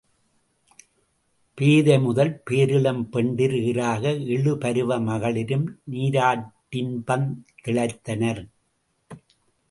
பேதை முதல் பேரிளம் பெண்டிர் ஈறாக எழுபருவ மகளிரும் நீராட்டின்பந் திளைத்தனர்.